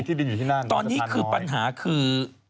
ดินอยู่ที่นั่นตอนนี้คือปัญหาคือ